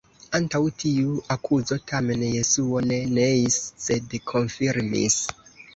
Antaŭ tiu akuzo, tamen, Jesuo ne neis, sed konfirmis.